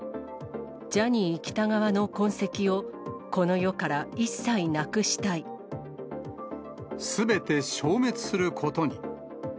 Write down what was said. ジャニー喜多川の痕跡を、すべて消滅することに。